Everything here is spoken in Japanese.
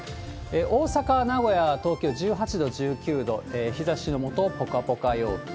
大阪、名古屋、東京、１８度、１９度、日ざしの下、ぽかぽか陽気。